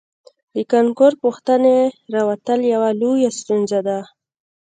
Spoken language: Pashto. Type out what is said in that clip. د کانکور پوښتنې راوتل یوه لویه ستونزه ده